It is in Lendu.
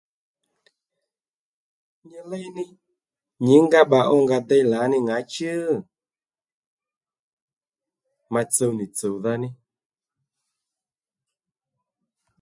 Nyi léy ní nyǐngá bba ónga déy ní lǎní ŋǎchú? ma tsuw nì tsùwdha ní